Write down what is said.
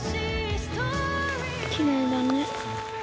きれいだね。